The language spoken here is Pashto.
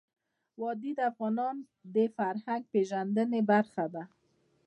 وادي د افغانانو د فرهنګ پیژندني برخه ده.